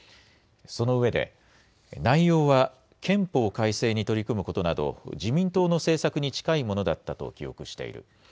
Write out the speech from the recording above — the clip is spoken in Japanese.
そのうえで内容は憲法改正に取り組むことなど自民党の政策に近いものだったと記憶している。